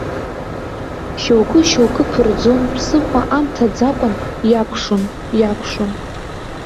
Шьоукы-шьоукы ԥырӡон, ԥсыхәа амҭаӡакәан иакәшон, иакәшон.